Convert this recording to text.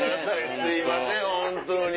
すいません本当に。